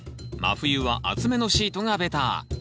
真冬は厚めのシートがベター。